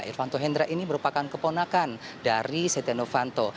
irfanto hendra ini merupakan keponakan dari setenofanto